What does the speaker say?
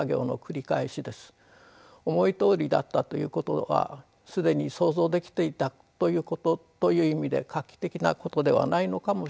思いどおりだったということは既に想像できていたということという意味で画期的なことではないのかもしれません。